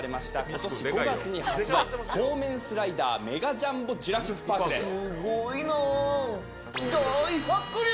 今年５月に発売、そうめんスライダーメガジャンボジュラシック・パークです。